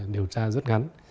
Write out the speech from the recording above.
điều tra rất ngắn